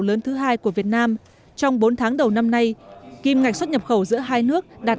lớn thứ hai của việt nam trong bốn tháng đầu năm nay kim ngạch xuất nhập khẩu giữa hai nước đạt